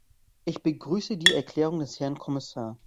Ich begrüße die Erklärung des Herrn Kommissar.